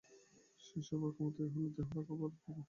সেবার কমতি হলে দেহ রাখা ভার হবে।